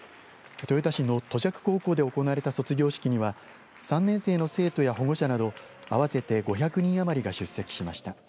豊田市の杜若高校で行われた卒業式には３年生の生徒や保護者など合わせて５００人余りが出席しました。